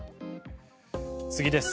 次です。